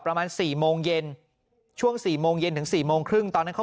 ประมาณสี่โมงเย็นช่วงสี่โมงเย็นถึง๔โมงครึ่งตอนนั้นเขา